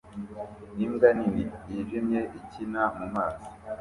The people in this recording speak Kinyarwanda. Imbwa nini yijimye ikina mumazi